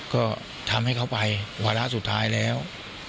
ก็ทำให้เขาไปวาระสุดท้ายแล้ว